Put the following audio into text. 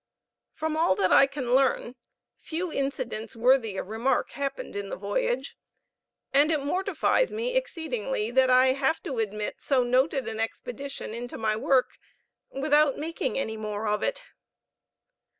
From all that I can learn, few incidents worthy of remark happened in the voyage; and it mortifies me exceedingly that I have to admit so noted an expedition into my work without making any more of it.